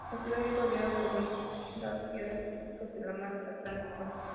La ciudad es rodeada por lindas sierras típicas de la Mata Atlántica.